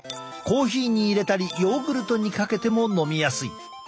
コーヒーに入れたりヨーグルトにかけても飲みやすい。